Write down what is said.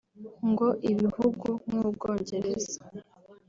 ngo ibihugu nk’U Bwongereza